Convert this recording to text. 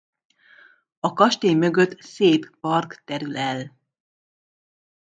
A kastély mögött szép park terül el.